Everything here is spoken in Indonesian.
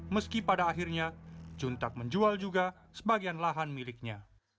meski pada akhirnya juntak menjual juga sebagian lahan miliknya